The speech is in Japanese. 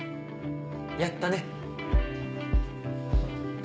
やったね。